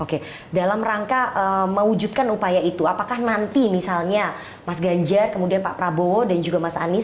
oke dalam rangka mewujudkan upaya itu apakah nanti misalnya mas ganjar kemudian pak prabowo dan juga mas anies